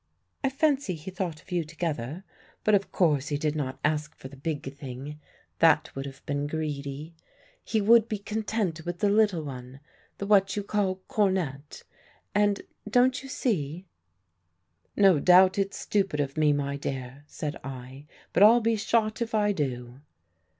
"'I fancy he thought of you together; but of course he did not ask for the big thing that would have been greedy. He would be content with the little one, the what you call cornet; and don't you see?' "'No doubt it's stupid of me, my dear,' said I, 'but I'll be shot if I do.'